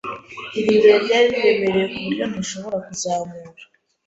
Iri buye ryari riremereye kuburyo ntashobora kuzamura.